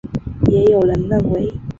也有人认为他有客家血统。